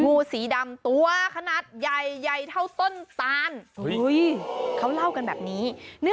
งูสีดำตัวขนาดใหญ่ใหญ่เท่าต้นตานเขาเล่ากันแบบนี้